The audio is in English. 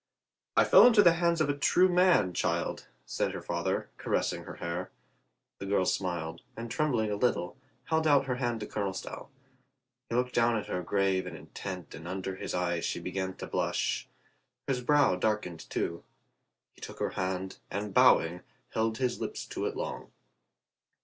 "I fell into the hands of a true man, child," said her father, caressing her hair. The girl smiled, and trembling a little, held out her hand to Colonel Stow. He looked down at her grave and intent and under his eyes she began to blush. His brow darkened, too. He took her hand, and bowing, held his lips to it long.